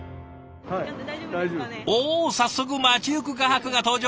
お早速街行く画伯が登場。